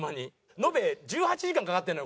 延べ１８時間かかってるのよ